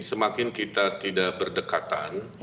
semakin kita tidak berdekatan